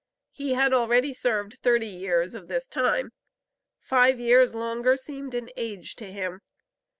He had already served thirty years of this time; five years longer seemed an age to him.